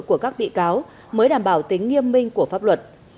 của các bị cáo mới đảm bảo tính nghiêm minh của pháp luật